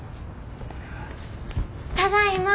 ただいま。